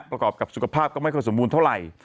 ประกอบกับสุขภาพก็ไม่ค่อยสมบูรณ์เท่าไหร่